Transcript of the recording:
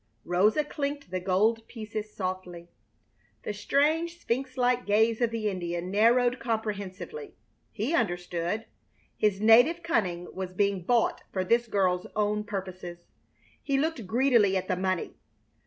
Rosa clinked the gold pieces softly. The strange, sphinx like gaze of the Indian narrowed comprehensively. He understood. His native cunning was being bought for this girl's own purposes. He looked greedily at the money.